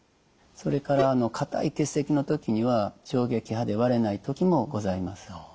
それから硬い結石の時には衝撃波で割れない時もございます。